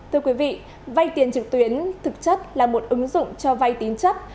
thưa quý vị vay tiền trực tuyến thực chất là một ứng dụng cho vay tín chấp